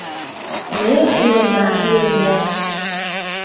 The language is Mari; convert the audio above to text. «Ме улына пионер —